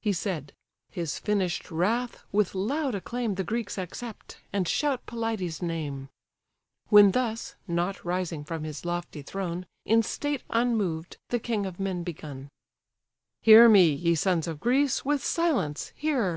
He said: his finish'd wrath with loud acclaim The Greeks accept, and shout Pelides' name. When thus, not rising from his lofty throne, In state unmoved, the king of men begun: "Hear me, ye sons of Greece! with silence hear!